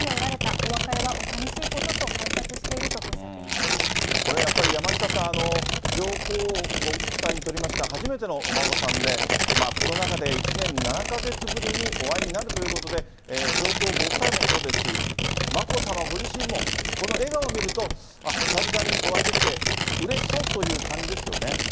お別れはおさみしいことと拝察しこれ、やっぱり山下さん、上皇ご夫妻にとりましては初めてのお孫さんで、コロナ禍で１年７か月ぶりにお会いになるということで、上皇ご夫妻もそうですし、眞子さまご自身も、この笑顔を見ると、あっ、久々にお会いできてうれしそうという感じですよね。